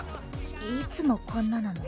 いつもこんななの？